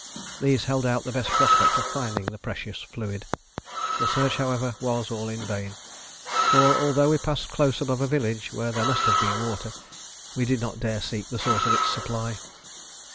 These held out the best prospect of finding the precious fluid. The search, however, was all in vain; for although we passed close above a village where there must have been water, we did not dare to seek the source of its supply.